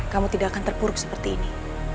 kamu tidak akan terpuruk seperti ini